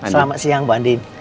selamat siang mba andin